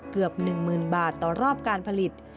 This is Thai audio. เกือบหนึ่งหมื่นบาทต่อรอบการผลิต